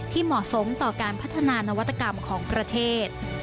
เหมาะสมต่อการพัฒนานวัตกรรมของประเทศ